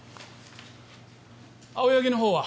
青柳のほうは？